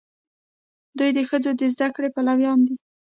دوی د ښځو د زده کړې پلویان دي.